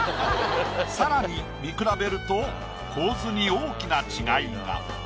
更に見比べると構図に大きな違いが。